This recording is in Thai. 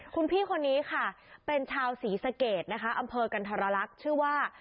คุณพี่คนนี้ค่ะเป็นชาวศรีสะเกดนะคะอำเภอกันธรรลักษณ์ชื่อว่า